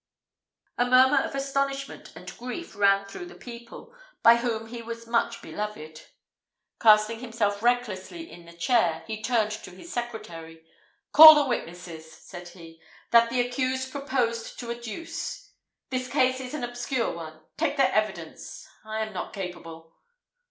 A murmur of astonishment and grief ran through the people, by whom he was much beloved. Casting himself recklessly in the chair, he turned to his secretary. "Call the witnesses," said he, "that the accused proposed to adduce. This case is an obscure one. Take their evidence I am not capable."